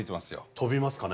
飛びますかね？